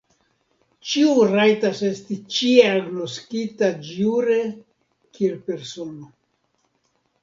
Ĉiu rajtas esti ĉie agnoskita jure kiel persono.